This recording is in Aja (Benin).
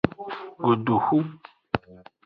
Godoxu.